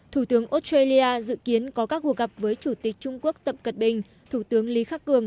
thủ tướng australia dự kiến có các cuộc gặp với chủ tịch trung quốc tập cận bình thủ tướng lý khắc cường